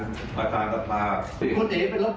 คุณประธานพบลงไปมองเมื่อกี้แล้วก็ตอนที่ที่ชัดพิมพ์